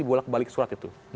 bulat balik surat itu